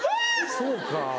そうか。